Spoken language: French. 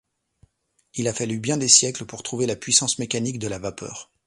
Il a fallu bien des siècles pour trouver la puissance mécanique de la vapeur !